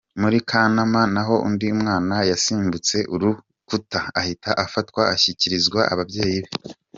Muri Kanama naho undi mwana yasimbutse urukuta ahita afatwa ashyikirizwa ababyeyi be.